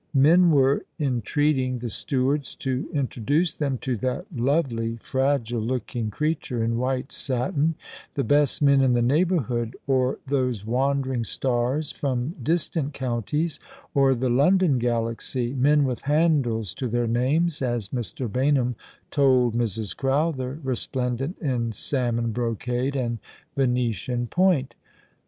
Men were entreating the stewards to introduce them to that lovely fragile looking creature in white satin — the best men in the neighbourhood, or those wandering stars from distant counties, or the London galaxy, " men with handles to their names," as Mr. Baynham told Mrs. Crowther, resplendent in salmon brocade, and Yenetian point.